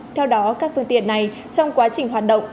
theo đó các phương tiện này trong quá trình hoạt động